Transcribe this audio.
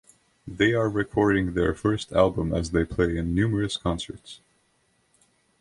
They are recording their first album as they play in numerous concerts.